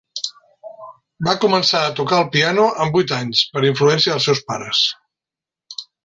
Va començar a tocar el piano amb vuit anys per influència dels seus pares.